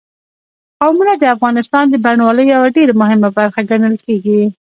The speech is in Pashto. قومونه د افغانستان د بڼوالۍ یوه ډېره مهمه برخه ګڼل کېږي.